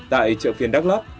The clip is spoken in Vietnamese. tại chợ phiên đắk lắp